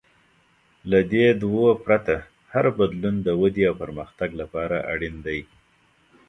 له دې دوو پرته، هر بدلون د ودې او پرمختګ لپاره اړین دی.